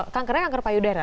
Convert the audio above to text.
kangkernya kangkar payudara